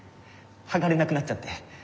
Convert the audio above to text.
剥がれなくなっちゃって。